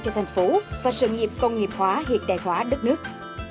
cho thành phố và sự nghiệp công nghiệp hóa hiện đại hóa đất nước